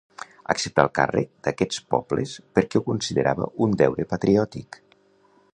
Acceptà el càrrec d'aquests pobles perquè ho considerava un deure patriòtic.